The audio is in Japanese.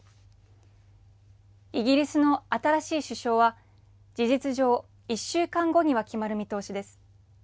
イギリスの新しい首相は、事実上、１週間後には決まる見通しです。